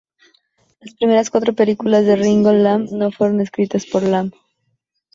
Las primeras cuatro películas de Ringo Lam no fueron escritas por Lam.